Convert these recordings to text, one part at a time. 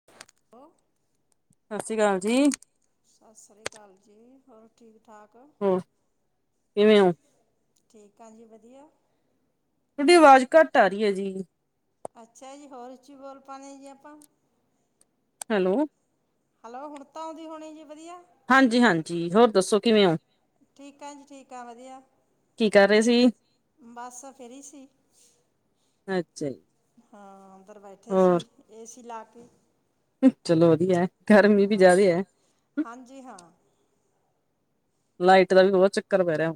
[unintelligible] ਸਾਸੀ ਕਾਲ ਜੀ। ਸ਼ਾਸਰੀ ਕਾਲ ਜੀ, ਹੋਰ ਠੀਕ-ਠਾਕ? ਕਿਵੇਂ ਓਂ? ਠੀਕ ਆਂ ਜੀ, ਵਦੀਆ। ਏਦੀ ਵਾਜ਼ ਘਾੱਟ ਆ ਰੀ ਐ ਜੀ। ਅੱਛਾ ਜੀ, ਹੋਰ ਉੱਚੀ ਬੋਲ ਪਾਨੇ ਆਂ ਜੀ ਆਪਾਂ। ਹੈਲੋ। ਹੈਲੋ, ਹੁਨ ਤਾ ਓਂਦੀ ਹੋਣੀ ਜੀ ਵਦੀਆ? ਹਾਂਜੀ-ਹਾਂਜੀ, ਹੋਰ ਦੱਸੋ ਕਿਵੇਂ ਓਂ? ਠੀਕ ਆਂ ਜੀ, ਠੀਕ ਆਂ ਵਦੀਆ। ਕੀ ਕਰ ਰੇ ਸੀ? ਬਾੱਸ, ਫੇਰੀ ਸੀ। ਅੱਛਾ ਜੀ। ਹਾਂ, ਅੰਦਰ ਬੈਠੇ ਸੀ ਏਸੀ ਲਾ ਕੇ। ਚਲੋ ਵਦੀਐ। ਹਾਂ, ਹਾਂਜੀ, ਹਾਂ। ਲਾਈਟ ਦਾ ਵੀ ਬੋਤ ਚੱਕਰ ਪੈ ਰੇਆ।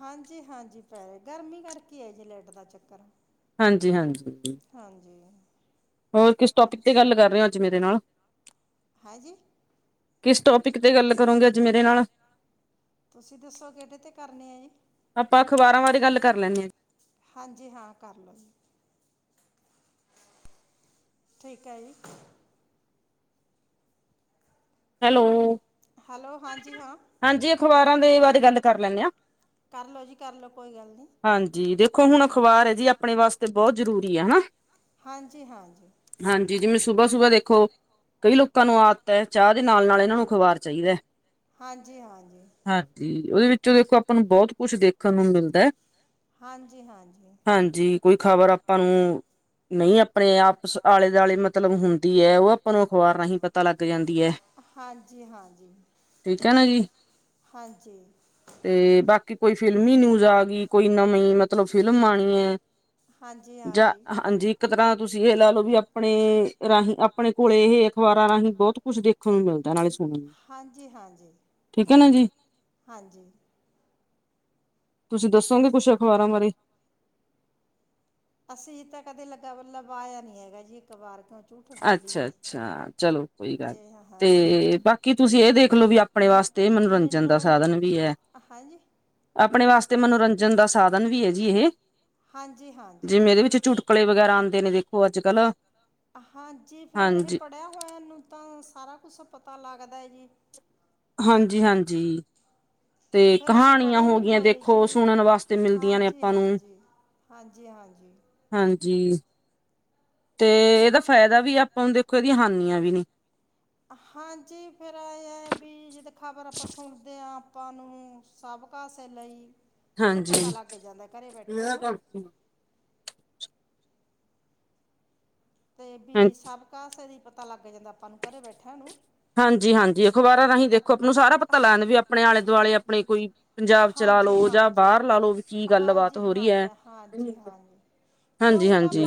ਹਾਂਜੀ-ਹਾਂਜੀ ਪੈਰੇਯਾ ਗਰਮੀ ਕਾਰਕੇ ਐ ਜੀ ਲਿੱਟ ਦਾ ਚੱਕਰ। ਹਾਂਜੀ-ਹਾਂਜੀ। ਹਾਂਜੀ। ਹੋਰ, ਕਿਸ ਟੋਪਿਕ ਤੇ ਗਾੱਲ ਕਾਰ ਰੇ ਆਂ ਅੱਜ ਮੇਰੇ ਨਾਲ? ਹੈਂਜੀ। ਕਿਸ ਟੋਪਿਕ ਤੇ ਗੱਲ ਕਰੋਂਗੇ ਅੱਜ ਮੇਰੇ ਨਾਲ? ਤੁਸੀ ਦੱਸੋ ਕੇੜੇ ਤੇ ਕਰਨੀ ਆ ਜੀ। ਹਾਂਜੀ, ਹਾਂ ਕਾਰ ਲੋ ਜੀ। ਠੀਕ ਐ ਜੀ। ਹੈਲੋ, ਹਾਂਜੀ ਅਖਬਾਰਾਂ ਦੇ ਬਾਰੇ ਗਾੱਲ ਕਰ ਲੈਨੈ ਆਂ। ਕਾਰ ਲੋ ਜੀ, ਕਾਰ ਲੋ, ਕੋਈ ਗਾੱਲ ਨੀ। ਹਾਂਜੀ, ਦੇ ਕੋ ਹੁਣ ਅਖਬਾਰ ਐ ਜੀ, ਆਪਣੇ ਵਾਸਤੇ ਬੋਤ ਜ਼ਰੂਰੀ ਐ, ਹਨਾ। ਹਾਂਜੀ-ਹਾਂਜੀ। ਹਾਂਜੀ, ਜਿਵੇਂ ਸੁਬਾ-ਸੁਬਾ ਦੇਖੋ ਕਈ ਲੋਕਾਂ ਨੂੰ ਆਦਤ ਹੈ ਚਾ ਦੇ ਨਾਲ-ਨਾਲ, ਐਨਾਂ ਨੂੰ ਅਖਬਾਰ ਚਾਈਦੈ। ਹਾਂਜੀ, ਓਦੇ ਵਿੱਚੋ ਦੇਖੋ, ਆਪਾਂ ਨੂੰ ਬਹੁਤ ਕੁਛ ਦੇਖਨ ਨੂੰ ਮਿਲਦੈ। ਹਾਂਜੀ-ਹਾਂਜੀ। ਹਾਂਜੀ ਕੋਈ ਖ਼ਬਰ ਆਪਾਂ ਨੂੰ ਨਈ ਆਪਣੇ ਆਪਸ ਆਲੇ ਦੁਆਲੇ ਮਤਲਬ ਹੂੰ। ਦੀ ਐ ਓ ਆਪਾਂ ਨੂੰ ਅਖਬਾਰ ਰਾਹੀਂ ਪਤਾ ਲੱਗ ਜਾਂਦੀ ਐ। ਹਾਂਜੀ-ਹਾਂਜੀ-ਹਾਂਜੀ। ਤੇ ਬਾਕੀ ਕੋਈ ਫਿਲਮੀ ਨਿਊਜ਼ ਆ ਗਈ ਕੋਈ ਨਵੀਂ ਮਤਲਬ ਫਿਲਮ ਆਣੀ ਏ। ਜਾ ਹਾਂਜੀ। ਇੱਕ ਤਰ੍ਹਾਂ ਤੁਸੀਂ ਇਹ ਲਾ ਲੋ ਵੀ ਆਪਣੇ ਰਾਹੀਂ ਆਪਣੇ ਕੋਲੇ ਇਹ ਅਖ਼ਬਾਰਾਂ ਰਾਹੀਂ ਬਹੁਤ ਕੁਛ ਦੇਖਣ ਨੂੰ ਮਿਲਦਾ ਨਾਲੇ ਹਾਂਜੀ-ਹਾਂਜੀ-ਹਾਂਜੀ। ਤੁਸੀਂ ਦੱਸੋਗੇ ਕੁਛ ਅਖ਼ਬਾਰਾਂ ਬਾਰੇ ਅਸੀਂ ਤਾਂ ਕਦੇ ਲਗਾ ਲਬ ਆਇਆ ਨੀ ਹੈਗਾ ਜੀ ਇਕਬਾਰ ਘਾਰ ਅੱਛਾ-ਅੱਛਾ ਚਲੋ ਕੋਈ ਗੱਲ ਤੇ ਬਾਕੀ ਤੁਸੀ ਏ ਦੇਖਲੋ ਵੀ ਆਪ ਆਪਣੇ ਵਾਸਤੇ ਮਨੋਰੰਜਨ ਦਾ ਸਾਧਨ ਵੀ ਐ। ਹਾਂਜੀ ਆਪਣੇ ਵਾਸਤੇ ਮਨੋਰੰਜਨ ਦਾ ਸਾਧਨ ਵੀ ਏ ਜੀ ਇਹ ਜਿਵੇਂ ਇਦੇ ਵਿੱਚ ਚੁਟਕਲੇ ਵਗੈਰਾ ਆਂਦੇ ਨੇ ਦੇਖੋ ਅੱਜ ਕੱਲ ਹਾਂਜੀ ਫਿਰ ਇਹ ਪੜ੍ਹਿਆ ਹੋਇਆ ਇਨੂੰ ਤਾਂ ਸਾਰਾ ਕੁਛ ਪਤਾ ਲੱਗਦਾ ਏ ਜੀ। ਹਾਂਜੀ-ਹਾਂਜੀ ਤੇ ਕਹਾਣੀਆਂ ਹੋ ਗਈਆਂ ਦੇਖੋ ਸੁਣਨ ਵਾਸਤੇ ਮਿਲਦੀਆਂ ਨੇ ਆਪਾਂ ਨੂੰ ਹਾਂਜੀ-ਹਾਂਜੀ ਹਾਂਜੀ ਤੇ ਇਦਾ ਫੈਦਾ ਵੀ ਆਪਾਂ ਨੂੰ ਦੇਖੋ ਇਦੀਆਂ ਹਾਨੀਆਂ ਵੀ ਨੇ ਹਾਂਜੀ ਫਿਰ ਐ ਆ ਬੀ ਜਿਦ ਖ਼ਬਰ ਆਪਾਂ ਸੁਣਦੇ ਆਂ ਆਪਾਂ ਨੂੰ ਸਭ ਕਾਸੇ ਲਈ ਕਿਉ ਪਤਾ ਲੱਗ ਜਾਂਦਾ ਘਰ ਬੈਠਿਆਂ ਨੂੰ ਹੂੰ ਤੇ ਬੀ ਸਭ ਕਾਸੇ ਦੀ ਪਤਾ ਲੱਗ ਜਾਂਦਾ ਆਪਾਂ ਨੂੰ ਘਰੇ ਬੈਠਿਆਂ ਨੂੰ ਹਾਂਜੀ-ਹਾਂਜੀ ਅਖ਼ਬਾਰਾਂ ਰਾਹੀਂ ਦੇਖੋ ਆਪ ਨੂੰ ਸਾਰਾ ਪਤਾ ਲੱ ਦਾ ਵੀ ਆਪਣੇ ਆਲੇ ਦੁਆਲੇ ਆਪਣੇ ਕੋਈ ਪੰਜਾਬ 'ਚ ਲਾ ਲੋ ਜਾਂ ਬਾਰ ਲਾ ਲੋ ਵੀ ਕੀ ਗੱਲ ਬਾਤ ਹੋ ਰਈ ਐ। ਹਾਂਜੀ-ਹਾਂਜੀ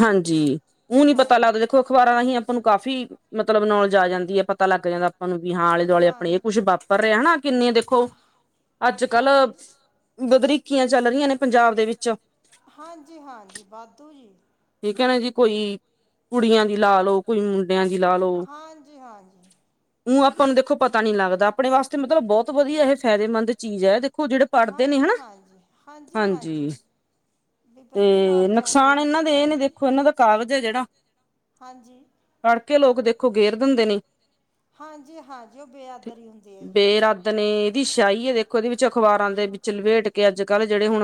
ਹਾਂਜੀ ਓ ਨੀ ਪਤਾ ਲੱਗਦਾ ਦੇਖੋ ਅਖ਼ਬਾਰਾਂ ਰਾਹੀਂ ਅਪ ਆਪਾਂ ਨੂੰ ਕਾਫ਼ੀ ਮਤਲਬ ਨੌਲਜ ਆ ਜਾਂਦੀ ਆ ਪਤਾ ਲੱਗ ਜਾਂਦਾ। ਤਾਨੂੰ ਆਪਾਂ ਨੂੰ ਹਾਂ ਆਲੇ ਦੁਆਲੇ ਆਪਣੇ ਇਹ ਕੁਛ ਵਾਪਰ ਰਿਆ ਹਨਾ ਕਿੰਨੀ ਦੇਖੋ ਅੱਜ ਕੱਲ ਬਦਰੀਕੀਆਂ ਚੱਲ ਰਈਆਂ ਨੇ ਪੰਜਾਬ ਦੇ ਵਿੱਚ ਹਾਂਜੀ-ਹਾਂਜੀ ਵਾਧੂ ਜੀ। ਠੀਕ ਹੈ ਨਾ ਜੀ ਕੋਈ ਕੁੜੀਆਂ ਦੀ ਲਾ ਲੋ। ਕੋਈ ਮੁੰਡਿਆਂ ਦੀ ਲਾ ਲੋ। ਊਂ ਆਪਾਂ ਨੂੰ ਦੇਖੋ ਪਤਾ ਨੀ ਲੱਗਦਾ ਆਪਣੇ ਵਾਸਤੇ ਮਤਲਬ ਬੋਤ ਵਧੀਆ ਏ ਫੈਦੇਮੰਦ ਚੀਜ਼ ਐ ਦੇਖ ਓ ਜੇੜੇ ਪੜ੍ਹਦੇ ਨਈ ਹਨਾ ਹਾਂਜੀ। ਹੂੰ ਨੁਕਸਾਨ ਇਨਾਂ ਦੇ ਇਹ ਨੀ ਦੇਖੋ ਇਨਾਂ ਦਾ ਕਾਗਜ਼ ਐ ਜੇੜਾ ਹਾਂਜੀ ਪੜ ਕੇ ਲੋਕ ਦੇਖੋ ਗੇਰ ਦਿੰਦੇ ਨੇ। ਹਾਂਜੀ-ਹਾਂਜੀ ਓ ਬੇਆਦਰੀ ਹੁੰਦੀ ਐ ਜੀ। ਤੇ ਨੇ ਇਦੀ ਸ਼ਾਹੀ ਹੈ ਦੇਖੋ ਇਦੇ ਵਿੱਚ ਅਖਬਾਰਾਂ ਦੇ ਵਿੱਚ ਲਪੇਟ ਕੇ ਅੱਜ ਕੱਲ੍ਹ ਜੇੜੇ ਹੁਣ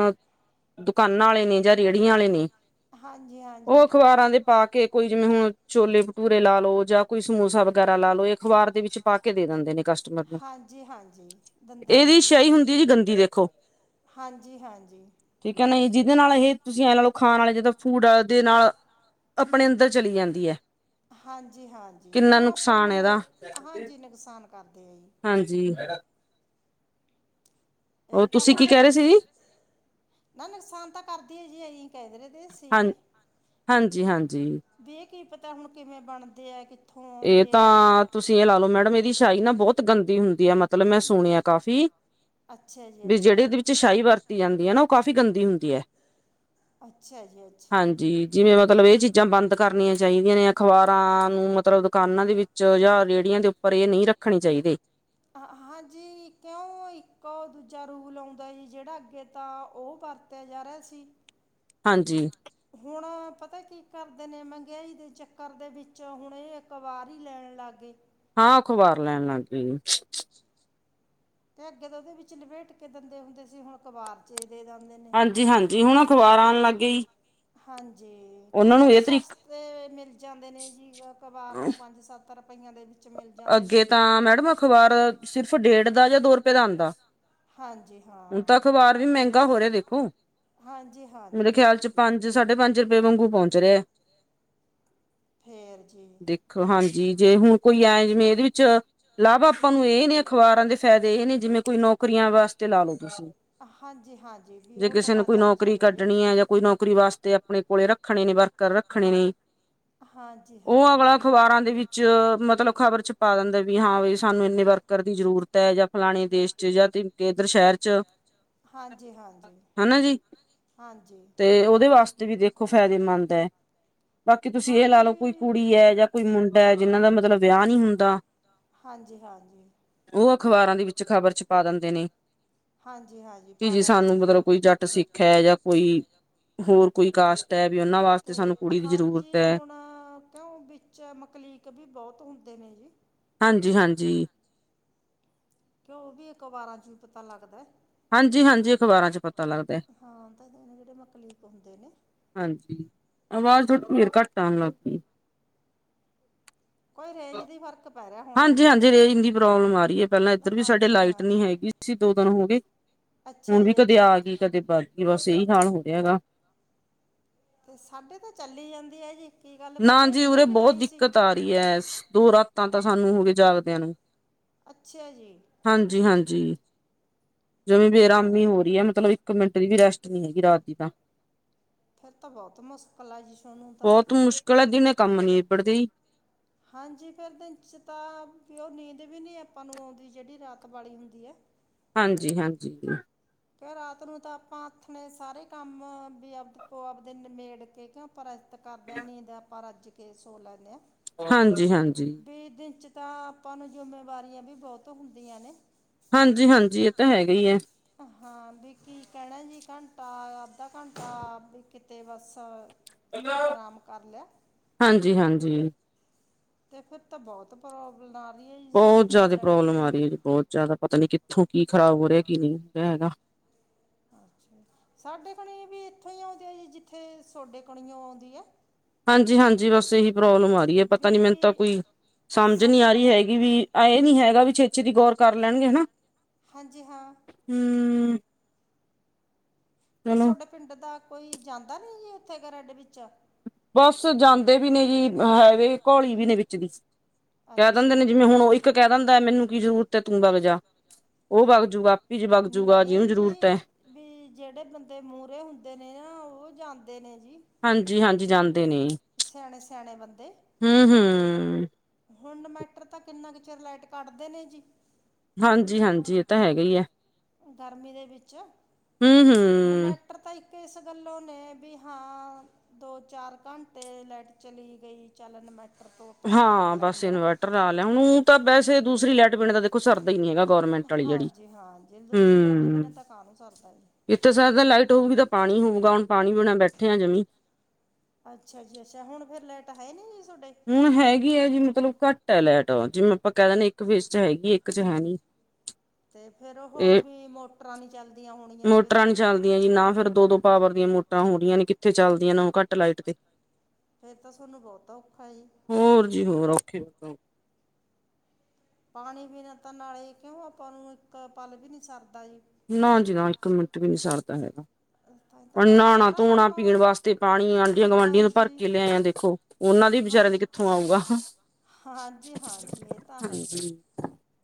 ਦੁਕਾਨਾਂ ਆਲੇ ਨੇ ਜਾਂ ਰੇਹੜੀਆਂ ਆਲੇ ਨੇ। ਹਾਂਜੀ-ਹਾਂਜੀ ਓ ਅਖ਼ਬਾਰਾਂ ਦੇ ਪਾ ਕੇ ਕੋਈ ਜਿਵੇਂ ਹੁਣ ਛੋਲੇ-ਭਟੂਰੇ ਲਾ ਲੋ ਜਾਂ ਕੋਈ ਸਮੋਸਾ ਵਗੈਰਾ ਲਾ ਲੋ, ਇਹ ਅਖਬਾਰ ਦੇ ਵਿੱਚ ਪਾ ਕੇ ਦੇ ਦਿੰਦੇ ਨੇ ਕਸਟ ਕਸਟਮਰ ਨੂੰ, ਇਹਦੀ ਸ਼ਿਆਈ ਹੁੰਦੀ ਜੀ ਗੰਦੀ, ਦੇਖੋ! ਹਾਂਜੀ, ਹਾਂਜੀ। ਠੀਕ ਐ ਨਾ, ਜਿਹਦੇ ਨਾਲ ਇਹ ਤੁਸੀਂ ਐ ਲਾ ਲਓ, ਖਾਣ ਆਲੇ ਜਿਦੋ ਫੂਡਾਂ ਦੇ ਨਾਲ ਆਪਣੇ ਅੰਦਰ ਚਲੀ ਜਾਂਦੀ ਐ। ਹਾਂਜੀ-ਹਾਂਜੀ, ਕਿਉਂ ਆਪਾਂ ਨੂੰ ਹਾਂਜੀ ਨੁਕਸਾਨ ਕਰਦੇ ਐ ਜੀ। ਹਾਂਜੀ। ਇਹ ਤਾਂ ਹੈ ਜੀ। ਨਾ, ਨੁਕਸਾਨ ਤਾਂ ਕਰਦੀ ਹੈ ਜੀ, ਐ ਹੀ ਕਹਿ ਰਹੇ ਦੇ ਅਸੀ ਵੀ। ਵੀ ਐ ਕੀ ਪਤਾ ਹੁਣ ਕਿਵੇਂ ਬਣਦੇ ਹੈ ਕਿ- ਇਹ ਤਾਂ ਤੁਸੀਂ ਇਹ ਲਾ ਲੋੋ ਮੈਡਮ, ਇਹਦੀ ਸ਼ਾਹੀ ਨਾ ਬਹੁਤ ਗੰਦੀ ਹੁੰਦੀ ਹੈ, ਮਤਲਬ ਮੈਂ ਸੁਣਿਆ ਕਾਫ਼ੀ ਅੱਛਾ ਜੀ। ਵੀ ਜਿਹੜੀ ਇਹਦੇ ਵਿੱਚ ਸ਼ਾਹੀ ਵਰਤੀ ਜਾਂਦੀ ਐ ਨਾ, ਉਹ ਕਾਫ਼ੀ ਗੰਦੀ ਹੁੰਦੀ ਐ। ਅੱਛਾ ਜੀ, ਅੱਛਾ। ਹਾਂਜੀ, ਜਿਵੇਂ ਮਤਲਬ ਇਹ ਚੀਜ਼ਾਂ ਬੰਦ ਕਰਨੀਆਂ ਚਾਹੀਦੀਆਂ ਨੇ, ਅਖਬਾਰਾਂ ਨੂੰ ਮਤ ਮਤਲਬ ਦੁਕਾਨਾਂ ਦੇ ਵਿੱਚ ਜਾਂ ਰੇੜ੍ਹੀਆਂ ਦੇ ਉੱਪਰ ਇਹ ਨਹੀਂ ਰੱਖਣੀ ਚਾਹੀਦੇ। ਹਾਂ ਹਾਂਜੀ, ਇਕ ਉਹ ਇੱਕ ਦੂਜਾ ਰੂਲ ਆਉਂਦਾ ਜੀ ਜਿਹੜਾ ਅੱਗੇ ਤਾਂ ਉਹ ਵਰਤ- ਨਜ਼ਾਰਾ ਸੀ। ਹਾਂਜੀ। ਹੁਣ ਪਤਾ ਕੀ ਕਰਦੇ ਨੇ, ਮਹਿੰਗਾਈ ਦੇ ਚੱਕਰ ਦੇ ਵਿੱਚ ਹੁਣ ਇਹ ਅਖ਼ਬਾਰ ਹੀ ਲੈਣ ਲੱਗ ਗਏ। ਹਾਂ, ਅਖਬਾਰ ਲੈਣ ਲੱਗ ਗਏ ਜੀ। [unintelligible] ਤੇ ਅੱਗੇ ਤਾਂ ਉਹਦੇ ਵਿੱਚ ਲਿਵੇਟ ਕੇ ਦਿੰਦੇ ਹੁੰਦੇ ਸੀ, ਹੁਣ ਅਖਬਾਰ 'ਚ ਹੀ ਦੇ ਜਾਂਦੇ। ਹਾਂਜੀ-ਹਾਂਜੀ, ਹੁਣ ਅਖ਼ਬਾਰ ਆਉਣ ਲੱਗ ਗਏ ਜੀ। ਹਾਂਜੀ, ਕਹਿੰਦੇ ਨੇ ਸਸਤੇ ਮਿਲ ਜਾਂਦੇ ਨੇ ਜੀ ਅੱਖਬਾਰ ਤਾਂ ਪੰਜ-ਸੱਤ ਸੱਤ ਰੁਪਈਆਂ ਦੇ ਵਿੱਚ ਮਿਲ ਜਾਂਦੇ ਨੇ। ਅਖ਼ਬਾਰਾਂ ਸਿਰਫ ਡੇਢ ਹਾਂਜੀ ਹਾਂ। ਹਾਂਜੀ-ਹਾਂਜੀ! ਮੇਰੇ ਖਿਆਲ 'ਚ ਪੰਜ-ਸਾਢੇ ਪੰਜ ਰੁਪਏ ਵਾਂਗੂ ਪਹੁੰਚ ਰਿਆ। ਫੇਰ ਜੀ ਦੇਖੋ ਹਾਂਜੀ, ਜੇ ਹੁਣ ਕੋਈ ਆਏ ਜਿਵੇਂ ਇਹਦੇ ਵਿੱਚ ਲਾਭ ਆਪਾਂ ਨੂੰ ਇਹ ਨੇ, ਅਖ਼ਬਾਰਾਂ ਦੇ ਫੈਦੇ ਇਹ ਨੇ, ਜਿਵੇਂ ਕੋਈ ਨੌਕਰੀ ਨੌਕਰੀਆਂ ਵਾਸਤੇ ਲਾ ਲਓ ਤੁਸੀਂ। ਜੇ ਕਿਸੇ ਨੇ ਕੋਈ ਨੌਕਰੀ ਕੱਢਣੀ ਹੈ ਜਾਂ ਕੋਈ ਨੌਕਰੀ ਵਾਸਤੇ ਤੇ ਆਪਣੇ ਕੋਲੇ ਰੱਖਣੇ ਨੇ, ਵਰਕਰ ਰੱਖਣੇ ਨੇ, ਉਹ ਅਗਲਾ ਅਖਬਾਰਾਂ ਦੇ ਵਿੱਚ ਚ ਮ ਮਤਲ ਖ਼ਬਰ 'ਚ ਪਾ ਦਿੰਦੇ ਵੀ ਹਾਂ, ਵੀ ਸਾਨੂੰ ਇੰਨੇ ਵਰਕਰ ਦੀ ਜ਼ਰੂਰਤ ਹੈ ਜਾਂ ਫਲਾਣੇ ਦੇਸ਼ 'ਚ ਜਾਂ ਕਿ ਇੱਧਰ ਸ਼ਹਿਰ ਚ ਹਨਾ ਜੀ? ਤੇ ਉਹਦੇ ਵਾਸਤੇ ਵੀ ਦੇਖ ਫੈਦੇਮੰਦ ਐ, ਬਾਕੀ ਤੁਸੀਂ ਇਹ ਲਾ ਲਓ, ਕੋਈ ਕੁੜੀ ਐ ਜਾਂ ਕੋਈ ਮੁੰਡਾ ਐ, ਜਿਹਨਾਂ ਦਾ ਮਤਲਬ ਵਿਆਹ ਨਹੀਂ ਹੁੰਦਾ ਹਾਂਜੀ-ਹਾਂਜੀ। ਉਹ ਅਖ਼ਬਾਰਾਂ ਦੇ ਵਿੱਚ ਖ਼ਬਰ ਛਪਾ ਦਿੰਦੇ ਨੇ। ਕਿ ਜੇ ਸਾਨੂੰ ਮਤਲਬ ਕੋਈ ਜੱਟ ਸਿੱਖ ਹੈ ਯਾ ਕੋਈ, ਹੋਰ ਕੋਈ ਕਾਸ਼ ਤੇ ਹਾਂਜੀ ਹੁਣ ਕਿਯੁ ਵਿੱਚ ਮੰਕਲੀਕ ਵੀ ਬੋਤ ਹੁੰਦੇ ਨੇ ਜੀ। ਹਾਂਜੀ-ਹਾਂਜੀ। ਕਯੋ ਓ ਵੀ ਅਕਬਾਰਾਂ ਚ ਵੀ ਪਤਾ ਲਾੱਗਦੈ। ਹਾਂਜੀ-ਹਾਂਜੀ ਅਖ਼ਬਾਰਾਂ ਚ ਪਤਾ ਲਾੱਗਦੈ। ਹਾਂ ਤੇ ਜੇੜੇ-ਜੇੜੇ ਮੱਕਲੀਕ ਹੋਂਦੇ ਨੇ ਹਾਂਜੀ, ਆਵਾਜ਼ ਥੋਡੀ ਫੇਰ ਘਾੱਟ ਆਨ ਲਾੱਗ ਗੀ। ਕੋਈ ਰੇਂਜ ਦੀ ਫਰਕ ਹਾਂਜੀ-ਹਾਂਜੀ ਰੇਜ ਦੀ ਇੰਨੀ ਪ੍ਰੋਬਲਮ ਆ ਰੀ ਏ ਪੈਲਾਂ ਇਦਰ ਵੀ ਸਾਡੇ ਲਾਈਟ ਨੀ ਹੈਗੀ ਸੀ ਦੋ ਦੇਨ ਹੋ ਗੇ। ਹੁਨ ਵੀ ਕਦੇ ਆ ਗੀ ਕਦੇ ਬੱਗ ਗੀ ਬਾੱਸ ਏਹੀ ਹਾਲ ਹੋ ਰੇਆ ਹੈਗਾ। ਤੇ ਸਾਡੇ ਤਾਂ ਚੱਲੀ ਜਾਂਦੇ ਐ ਜੀ। ਨਾ ਜੀ ਉਰੇ ਬੋਤ ਦਿੱਕਤ ਆ ਰੀ ਐ ਦੋ ਰਾਤਾਂ ਤਾਂ ਸਾਨੂੰ ਹੋ ਗੇ ਜਾਗਦੇਆਂ ਨੂੰ। ਅੱਛਾ ਜੀ। ਹਾਂਜੀ-ਹਾਂਜੀ ਜੱਮੀ ਬੇਰਾਮੀ ਹੋ ਰੀ ਹੈ ਮਤਲਬ ਇੱਕ ਮਿੰਟ ਦੀ ਵੀ ਰੈਸਟ ਨੀ ਹੈਗੀ ਰਾਤ ਦੀ ਤਾ। ਫੇਰ ਤਾ ਬੋਤ ਮੁਸਕੱਲ ਆ ਜੀ ਚੋਨੂੰ ਤਾ। ਕਲਾ ਦੀਨੇ ਕੰਮ ਨੀ ਨਿਬਣਦੇ ਈ ਹਾਂਜੀ ਫੇਰ ਦੇਨ ਚਤਾ ਬਿ ਓ ਨੀਂਦ ਵੀ ਨੀ ਅਪਾਂ ਨੂੰ ਓਂਦੀ ਜੜੀ ਰਾਤ ਬਾਲੀ ਹੁੰਦੀ ਐ। ਹਾਂਜੀ-ਹਾਂਜੀ। ਕੇ ਐ ਰਾਤ ਨੂੰ ਤਾ ਆਪਾਂ ਆਥਨੇ ਸਾਰੇ ਕੰਮ ਬੀ ਆਦਪੋ ਆਪਦੇ ਨਮੇੜ ਕੇ ਕਿਓ ਆਪਾ ਰੈਸਤ ਕਾਰਦੇ ਆ ਨੀਦ ਆਪਾ ਰੱਜ ਕੇ ਸੋ ਲੈਨੇ ਆ। ਹਾਂਜੀ-ਹਾਂਜੀ। ਬੀ ਦਿਨ ਚ ਤਾ ਆਪਾਂ ਨੂੰ ਜਿਮੇਵਾਰੀਆ ਵੀ ਬੋਤ ਹੁੰਦੀਆਂ ਨੇ। ਹਾਂਜੀ-ਹਾਂਜੀ ਏ ਤੇ ਹੈਗਾ ਈ ਐ। ਹਾਂ ਬੀ ਕੀ ਕੈਣਾ ਜੀ ਘੰਟਾ ਅੱਧਾ ਘੰਟਾ ਆਪ ਬੀ ਕਿਤੇ ਬਾੱਸ ਹਾਂਜੀ-ਹਾਂਜੀ। ਤੇ ਫੇਰ ਤਾ ਬੋਤ ਪ੍ਰੋਬਲਮ ਆ ਰੀ ਐ ਜੀ ਸੋਡੇ ਕਣੇ ਲੈਟ ਦੀ। ਜਾਦਾ ਪਤਾ ਨੀ ਕਿੱਥੋਂ ਕੀ ਖਰਾਬ ਹੋ ਰਯਾ ਕੀ ਨਈ [unintelligible] ਹੈਗਾ। ਅੱਛਾ। ਸਾਡੇ ਕਣੀ ਵੀ ਇੱਥੋਂ ਈ ਆਉਂਦੀ ਐ ਜੀ ਜਿੱਥੇ ਸੋਡੇ ਕਣੀਓ ਓਂਦੀ ਐ। ਹਾਂਜੀ-ਹਾਂਜੀ ਬਾੱਸ ਐਹੀ ਪ੍ਰੋਬਲਮ ਆ ਰੀ ਐ ਪਤਾ ਨੀ ਮੈਨ ਤਾ ਕੋਈ ਸਮਝ ਨੀ ਆ ਰੀ ਹੈਗੀ ਵੀ ਆਏ ਨੀ ਹੈਗਾ ਵੀ ਛੇਤੀ-ਛੇਤੀ ਗੌਰ ਕਰ ਲੈਨਗੇ ਹਨਾ। ਹਾਂਜੀ ਹਾਂ। ਹੂੰ। ਫੇ ਸੋਡੇ ਪਿੰਡ ਦਾ ਕੋਈ ਜਾਂਦਾ ਨੀ ਜੀ ਓਥੇ ਘਰਾੱਡ ਵਿੱਚ। ਬਾੱਸ ਜਾਂਦੇ ਵੀ ਨੇ ਜੀ ਹੈਵੇ ਘੌਲੀ ਵੀ ਨੇ ਵਿੱਚ ਦੀ। ਕੈ ਦਿੰਦੇ ਨੇ ਜਿਵੇਂ ਹੁਣ ਓ ਇੱਕ ਕੈ ਦਿੰਦੈ ਮੈਨੂੰ ਕੀ ਜਰੂਰਤ ਹੈ ਤੂੰ ਬਗ ਜਾ, ਓ ਬਗ ਜੂਗਾ [unintelligible] ਚ ਬਗ ਜੂਗਾ ਜਿਨੂੰ ਜਰੂਰਤ ਐ। ਬੀ ਜੇੜੇ ਬੰਦੇ ਮੂਰੇ ਹੋਂਦੇ ਨੇ ਨਾ ਓ ਜਾਂਦੇ ਨੇ ਜੀ। ਹਾਂਜੀ-ਹਾਂਜੀ ਜਾਂਦੇ ਨੇ। ਸਿਆਣੇ-ਸਿਆਣੇ ਬੰਦੇ ਹੂੰ, ਹੂੰ। ਹੁਨ ਮੈਟਰ ਤਾਂ ਕਿੰਨਾ ਕ ਚੇਰ ਲੈਟ ਕਾੱਢ ਦੇ ਨੇ ਜੀ। ਹਾਂਜੀ-ਹਾਂਜੀ ਐ ਤਾ ਹੈਗਾ ਈ ਐ। ਗਰਮੀ ਦੇ ਵਿੱਚ ਨਾ ਮੈਂ ਪਰ ਤਾਂ ਇੱਕ ਇਸ ਗੱਲੋਂ ਨੇ, ਵੀ ਹਾਂ ਦੋ, ਚਾਰ ਘੰਟੇ ਲੈਟ ਚਲੀ ਗਈ ਚੱਲਨ ਮੈ ਹਾਂ, ਬਸ ਇਨਵਰਟਰ ਲਾ ਲਿਆ। ਹੁਨ ਤਾਂ ਵੈਸੇ ਦੂਸਰੀ ਲੈਟ, ਪਾਣੀ ਦਾ ਵੇਖੋ ਸਰਦਾ ਈ ਨੀ ਹੈਗਾ ਗੌਰਰਮੈਂਟ ਆਲੀ ਜੇੜੀ। ਹਾਂ ਜੀ, ਦੂਜੀ ਲੈਟ ਬਿਨਾਂ ਤਾਂ ਕਾਮ ਸਰਦਾ ਈ ਨੀ। ਇੱਥੇ ਸਾਰਾ ਦਿਨ ਲਾਈਟ ਹੋਊਗੀ ਤਾਂ ਪਾਣੀ ਹੋਊਗਾ, ਹੁਣ ਪਾਣੀ ਬਿਣਾ ਬੈਠੇ ਆ ਜਮੀ ਅੱਛਾ ਜੀ, ਅੱਛਾ। ਹੁਣ ਫੇਰ ਲੈਟ ਹੈ ਨੀ ਜੀ ਤੁਆਡੇ? ਹੁਣ ਹੈਗੀ ਹੈ ਜੀ ਮਤਲਬ ਘੱਟ ਐ ਲੈਟ, ਜਿਵੇਂ ਆਪਾਂ ਕੈ ਦੇਂਨੇ ਆ ਇੱਕ ਫੇਸ ਚ ਹੈਗੀ ਇੱਕ ਚ ਹੈ ਨੀ। ਤੇ ਫੇਰ ਉਹ ਵੀ ਮੋਟਰਾਂ ਨੀ ਚੱਲਦੀਆਂ ਹੋਣੀਆਂ ਐਈਓ ਤਾਂ। ਐਈ ਨਾ ਫੇਰ ਦੋ -ਦੋ ਪਾਵਰ ਦੀਆਂ ਮੋਟਾਂ ਹੋ ਰੀਆਂ ਨੇ, ਕਿੱਥੇ ਚੱਲਦੀਆਂ ਨੇ ਓ ਘੱਟ ਲਾਈਟ ਤੇ। ਫੇਰ ਤਾਂ ਸੁਆਨੂੰ ਬੋਤਾ ਔਖਾ ਹੈ ਜੀ। ਹੋਰ ਜੀ ਹੋਰ, ਔਖੇ ਏਕ ਦਮ। ਪਾਣੀ ਬਿਣਾ ਤਾਂ ਨਾਲੇ ਕਿਉਂ ਆਪਾਂ ਨੂੰ ਇੱਕ ਪਲ ਵੀ ਨੀ ਸਰਦਾ ਜੀ। ਨਾ ਜੀ ਨਾ, ਇੱਕ ਮਿੰਟ ਵੀ ਨੀ ਸਰਦਾ ਹੈਗਾ। ਓ ਨਾਣਾ -ਧੋਣਾ, ਪੀਣ ਵਾਸਤੇ ਪਾਣੀ ਆਂਢੀਆਂ- ਗੁਆਂਢੀਆਂ ਨੂੰ ਭਰ ਕੇ ਲੈ ਆਂ ਦੇਖੋ। ਓਨਾਂ ਦੀ ਵਿਚਾਰਿਆਂ ਦੀ ਕਿੱਥੋਂ ਆਊਗਾ। ਹਾਂਜੀ- ਹਾਂਜੀ, ਏ ਤਾਂ ਹੈ। ਹੂੰ।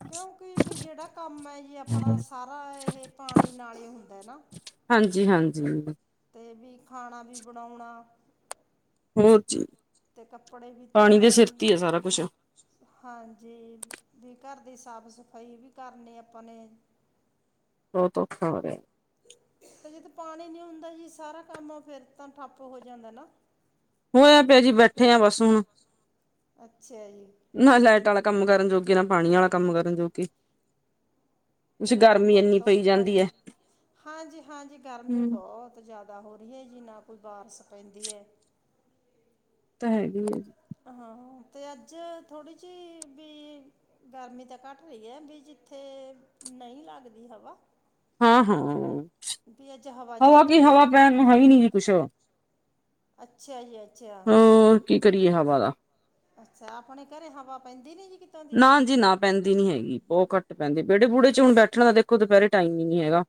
ਕਿਉਂਕਿ ਵੀ ਜੇੜਾ ਕੰਮ ਐ ਜੀ ਅਪਣਾ ਸਾਰਾ ਇਹ ਪਾਣੀ ਨਾਲ ਹੀ ਹੁੰਦੈ ਨਾ। ਹਾਂਜੀ- ਹਾਂਜੀ। ਤੇ ਵੀ ਖਾਣਾ ਵੀ ਬਣਾਉਣਾ, ਤੇ ਕੱਪੜੇ ਵੀ ਧੋਣੇ। ਹਾਂਜੀ, ਵੀ ਘਰ ਦੀ ਸਾਫ਼-ਸਫ਼ਾਈ ਵੀ ਕਰਨੀ ਆਪਾਂ ਨੇ। ਬੋਤ ਔਖਾ ਹੋਰੈ। ਤੇ ਜਦ ਪਾਣੀ ਨੀ ਹੁੰਦਾ ਜੀ ਸਾਰਾ ਕੰਮ ਫੇਰ ਤਾਂ ਠੱਪ ਹੋ ਜਾਂਦੈ ਨਾ। ਹੋਆ ਪਿਆ ਜੀ, ਬੈਠਾ ਆ ਬਸ ਹੁਨ। ਅੱਛਾ ਜੀ। ਨਾ ਲੈਟ ਆਲਾ ਕੰਮ ਕਰਨ ਜੋਗੀ, ਨਾ ਪਾਣੀ ਆਲਾ ਕੰਮ ਕਰਨ ਜੋਗੀ। ਪਰ ਏ ਤਾਂ ਬਹੁਤ ਔਖਾ ਏ ਜੀ। ਹਾਂਜੀ- ਹਾਂਜੀ, ਗਰਮੀ ਬੋਤ ਬੋਤ ਜਾਦਾ ਹੋ ਰੀ ਐ ਜੀ, ਨਾ ਕੋਈ ਬਾਰਿਸ ਪੈਂਦੀ ਐ। ਓ ਤਾਂ ਹੈਗੀ ਏ ਜੀ। ਹਾਂ, ਤੇ ਅੱਜ ਥੋੜੀ ਜੀ ਵੀ ਗਰਮੀ ਤਾ ਘਟ ਹੋਈ ਐ, ਵੀ ਜਿੱਥੇ ਨਈ ਲੱਗਦੀ ਹਵਾ। ਹਾਂ, ਹਾਂ। ਹਵਾ ਕੀ, ਹਵਾ ਪੈਨ ਨੂੰ ਹੈ ਨੀ ਜੀ ਕੁਛ। ਅੱਛਾ ਜੀ, ਅੱਛਾ। ਅੱਛਾ, ਅਪਣੇ ਘਰੇ ਹਵਾ ਪੈਂਦੀ ਨੀ ਜੀ ਕਿ ਨਾ ਜੀ ਨਾ, ਪੈਂਦੀ ਨੀ ਹੈਗੀ, ਬੋ ਘੱਟ ਪੈਂਦੀ। ਬੇੜੇ- ਬੂੜੇ ਚ ਹੁਨ ਬੈਠਣ ਦਾ ਦੇਖੋ ਦੁਪੈਰੇ ਟਾਇਮ ਈ ਨੀ ਹੈਗਾ।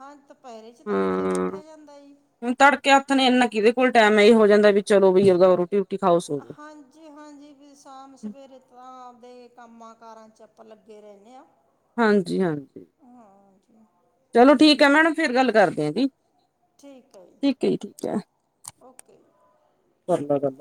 ਹਾਂ, ਦੁਪੈਰੇ ਚ ਤਾਂ ਕਿੱਥੇ ਬੈਠਾ ਜਾਂਦਾ ਜੀ। ਹੁਨ ਤੜਕੇ ਓਥਨੇ ਏਨਾ ਕਿਦੇ ਕੋਲ ਟੈਮ ਏ, ਏ ਹੋ ਜਾਂਦਾ ਵੀ ਚਲੋ ਵੀ ਓਦਾ ਰੋਟੀ- ਰੁਟੀ ਖਾਓ, ਸੋ ਜਾਓ। ਹਾਂਜੀ, ਹਾਂਜੀ ਜੀ ਸਾਮ-ਸਵੇਰੇ ਤਾ ਆਪਦੇ ਕੰਮਾਂ- ਕਾਰਾਂ ਚ ਆਪਾਂ ਲੱਗੇ ਰੈਂਨੇ ਆ। ਹਾਂਜੀ- ਹਾਂਜੀ। ਹਾਂ ਜੀ। ਚਲੋ ਠੀਕ ਐ ਮੈਡਮ ਫਿਰ ਗੱਲ ਕਰਦੇ ਆ ਦੀ। ਠੀਕ ਐ ਜੀ, ਠੀਕ ਐ। ਓਕੇ ਜੀ। ਤੁਆਡੇ ਨਾਲ ਗਲ